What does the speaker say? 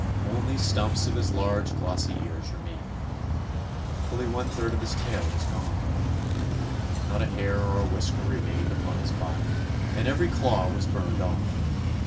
Only stumps of his large, glossy ears remained. Fully one third of his tail was gone. Not a hair or a whisker remained 186 TOMMY POSTOFFICE upon his body, and every claw was burned off.